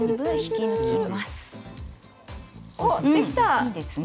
いいですね。